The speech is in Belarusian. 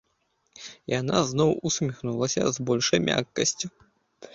Яна зноў усміхнулася, з большаю мяккасцю.